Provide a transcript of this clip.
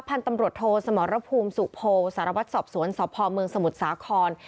พันธุ์ตำรวจโทสมรภูมิสุโพสารวัตรสอบสวนสพเมืองสมุทรสาคร